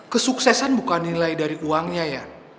kesuksesan bukan nilai dari uangnya ya